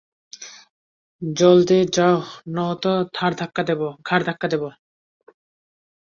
জলদি যাও নয়তো ঘাড়ধাক্কা দেবো।